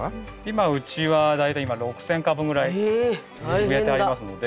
今うちは大体今６，０００株ぐらい植えてありますので。